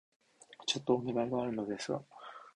ちょっとお願いがあるのですが...